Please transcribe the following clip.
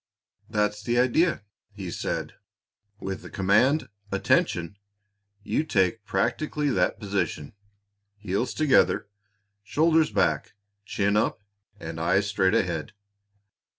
"That's the idea!" he said. "With the command 'Attention!' you take practically that position, heels together, shoulders back, chin up, and eyes straight ahead.